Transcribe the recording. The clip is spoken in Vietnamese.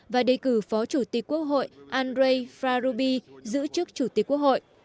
và đề cử phó chủ tịch quốc hội andrei fraubi giữ chức chủ tịch quốc hội